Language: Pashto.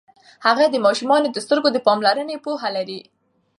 هغې د ماشومانو د سترګو د پاملرنې پوهه لري.